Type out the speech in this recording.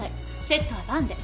セットはパンで。